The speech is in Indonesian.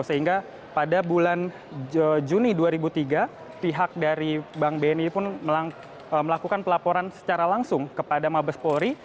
sehingga pada bulan juni dua ribu tiga pihak dari bank bni pun melakukan pelaporan secara langsung kepada mabes polri